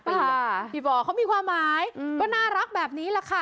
พี่บอเขามีความหมายก็น่ารักแบบนี้แหละค่ะ